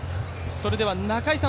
それでは中居さん